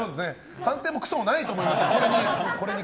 判定もくそもないと思いますけど。